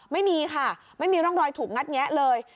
ไม่มีค่ะไม่มีร่องรอยถูกงัดแงะเลย